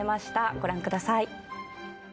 ご覧ください。